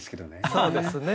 そうですね。